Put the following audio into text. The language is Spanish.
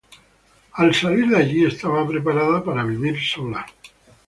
Al salir de allí estaba preparada para vivir sola.